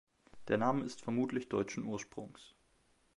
Der Name ist vermutlich deutschen Ursprungs.